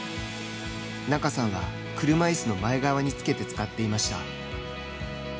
仲さんは、車いすの前側につけて使っていました。